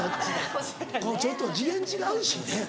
ちょっと次元違うしね。